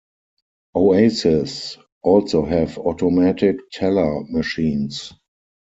Oases also have automatic teller machines.